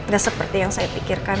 gak seperti yang saya pikirkan